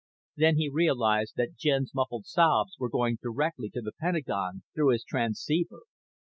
Then he realized that Jen's muffled sobs were going direct to the Pentagon through his transceiver.